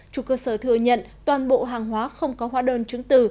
chủ cơ sở thừa nhận toàn bộ hàng hóa không có hóa đơn chứng từ